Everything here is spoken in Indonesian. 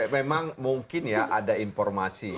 memang mungkin ya ada informasi